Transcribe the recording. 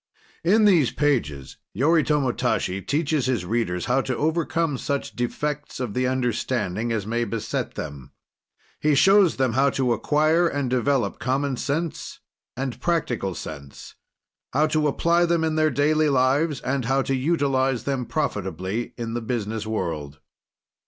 In these pages, Yoritomo Tashi teaches his readers how to overcome such defects of the understanding as may beset them. He shows them how to acquire and develop common sense and practical sense, how to apply them in their daily lives, and how to utilize them profitably in the business world.